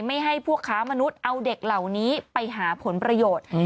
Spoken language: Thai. ให้พวกค้ามนุษย์เอาเด็กเหล่านี้ไปหาผลประโยชน์